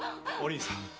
お凛さん。